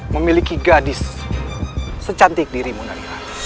memiliki gadis secantik dirimu narihan